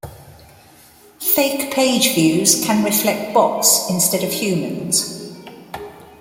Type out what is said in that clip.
Fake page views can reflect bots instead of humans.